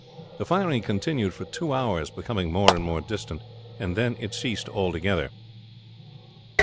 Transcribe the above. The firing continued for two hours, becoming more and more distant, and then it ceased altogether.